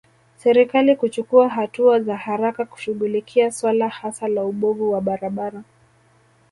Serikali kuchukua hatua za haraka kushughulikia suala hasa la ubovu wa barabara